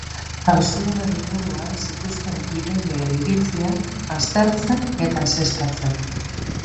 Auzi horren inguruan zituzten ideia edo iritziak aztertzen eta ezeztatzen.